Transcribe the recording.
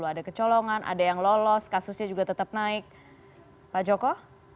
ada kecolongan ada yang lolos kasusnya juga tetap naik pak joko